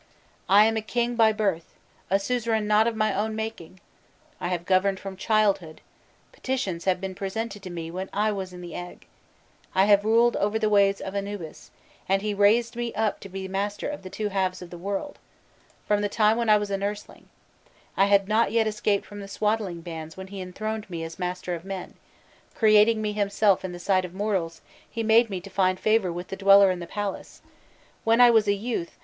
I am a king by birth, a suzerain not of my own making; I have governed from childhood, petitions have been presented to me when I was in the egg, I have ruled over the ways of Anubis, and he raised me up to be master of the two halves of the world, from the time when I was a nursling; I had not yet escaped from the swaddling bands when he enthroned me as master of men; creating me himself in the sight of mortals, he made me to find favour with the Dweller in the Palace, when I was a youth....